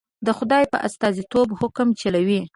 د خدای په استازیتوب حکم چلوي.